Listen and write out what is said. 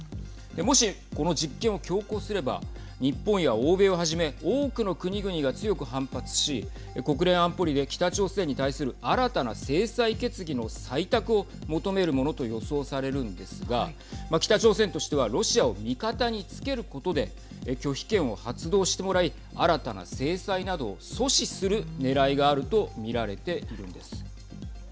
もし、この実験を強行すれば日本や欧米をはじめ多くの国々が強く反発し国連安保理で北朝鮮に対する新たな制裁決議の採択を求めるものと予想されるんですが北朝鮮としてはロシアを味方につけることで拒否権を発動してもらい新たな制裁などを阻止するねらいがあると見られているんです。